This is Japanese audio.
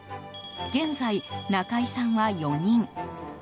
現在、仲居さんは４人。